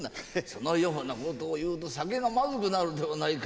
そのようなことを言うと酒がまずくなるではないか。